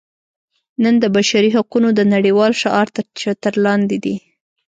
نن د بشري حقونو د نړیوال شعار تر چتر لاندې دي.